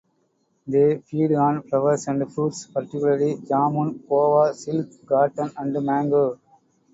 They feed on flowers and fruits, particularly jamun, guava, silk, cotton and mango.